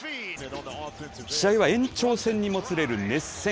試合は延長戦にもつれる熱戦。